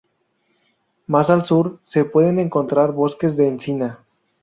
Más al sur se pueden encontrar bosques de encina.